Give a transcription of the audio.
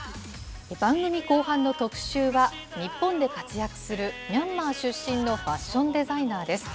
番組後半の特集は、日本で活躍するミャンマー出身のファッションデザイナーです。